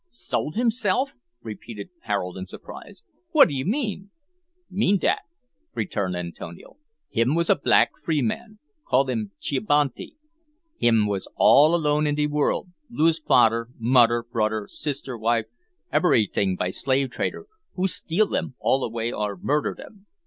"Sold himself!" repeated Harold in surprise. "What do you mean?" "Mean dat," returned Antonio. "Him was a black free man call him Chibanti; him was all alone in de world, lose fader, moder, broder, sister, wife, eberyting by slave trader, who steal dem all away or murder dem.